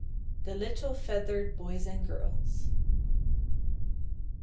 THE LITTLE FEATHERED BOYS AND GIRLS.